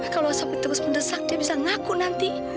kalau sapi terus mendesak dia bisa ngaku nanti